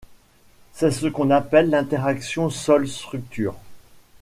C'est ce qu'on appelle l'interaction sol-structure.